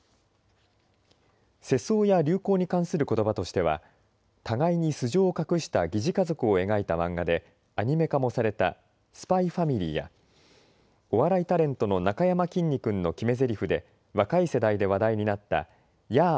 世相や流行に関することばとしては互いに素性を隠した疑似家族を描いたマンガでアニメ化もされたＳＰＹ×ＦＡＭＩＬＹやお笑いタレントのなかやまきんに君の決めぜりふで若い世代で話題になったヤー！